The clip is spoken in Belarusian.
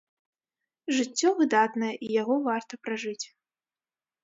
Жыццё выдатнае, і яго варта пражыць.